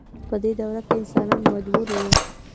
په دې دوره کې انسانان مجبور وو.